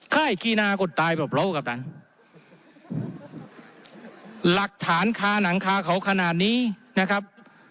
ค่ายคีนาคนตายแบบเรากับตันหลักฐานคาหนังคาเขาขนาดนี้นะครับ